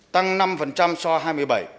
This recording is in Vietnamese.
tăng năm so với hai mươi bảy